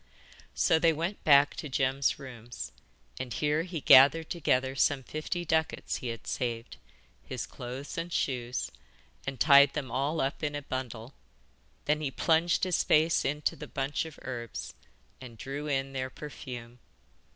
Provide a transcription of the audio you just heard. So they went back to Jem's rooms, and here he gathered together some fifty ducats he had saved, his clothes and shoes, and tied them all up in a bundle. Then he plunged his face into the bunch of herbs, and drew in their perfume.